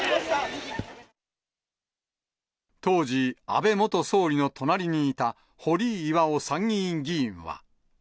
当時、安倍元総理の隣にいた堀井巌参議院議員は。